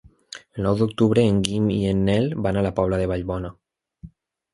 El nou d'octubre en Guim i en Nel van a la Pobla de Vallbona.